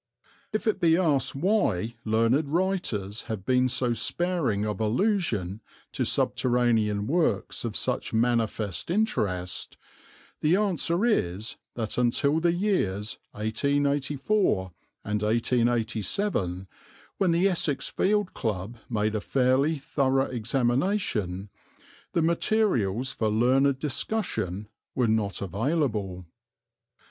If it be asked why learned writers have been so sparing of allusion to subterranean works of such manifest interest, the answer is that until the years 1884 and 1887, when the Essex Field Club made a fairly thorough examination, the materials for learned discussion were not available.